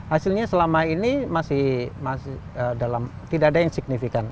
hasilnya selama ini masih dalam tidak ada yang signifikan